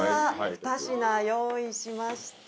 ふた品用意しました。